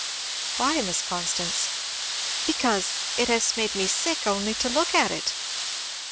"Why, Miss Constance?" "Because it has made me sick only to look at it!"